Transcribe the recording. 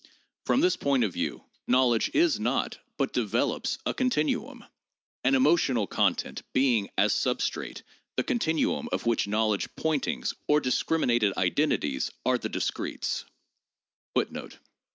From this point of view, knowledge is not, but develops, a continuum ; an emo tional content being, as substrate, the continuum of which knowledge 'pointings,' or discriminated identities, are the discretes.